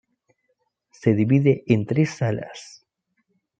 Se divide en tres salas.